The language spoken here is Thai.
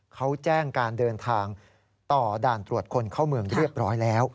เขาแจ้งการเดินทางต่อด่านตรวจคนเข้าเมืองเรียบร้อยแล้ว